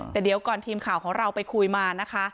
แต่เดี๋ยวก่อนทีมข่าวของเราไปคุยมานะคะ